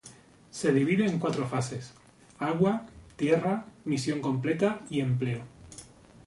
Se divide en cuatro fases: agua, tierra, misión completa y empleo.